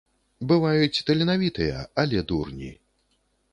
Бываюць таленавітыя, але дурні.